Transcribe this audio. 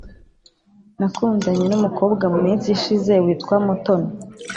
Nakundanye numukobwa muminsi ishize witwa mutoni